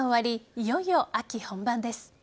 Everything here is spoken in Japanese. いよいよ秋本番です。